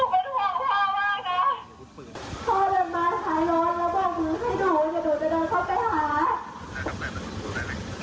เมื่อกรุ่นเรือก็